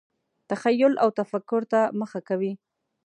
تخیل او تفکر ته مخه کوي.